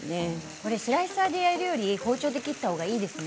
これはスライサーでやるより包丁で切ったほうがいいですね